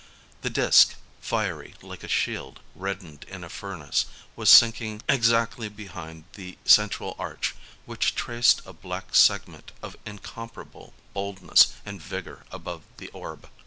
The disc, fiery like a shield reddened in a furnace, was sinking ex actly behind the central arch which traced a black segment of incomparable boldness and vigour above the orb.